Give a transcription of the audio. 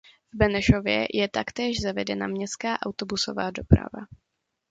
V Benešově je taktéž zavedena městská autobusová doprava.